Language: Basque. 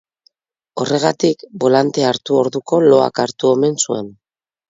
Horregatik, bolantea hartu orduko loak hartu omen zuen.